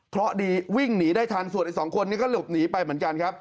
เพราะดีวิ่งหนีได้ทันส่วนอีกสองคนนี้ก็หลบหนีไปเหมือนกันครับ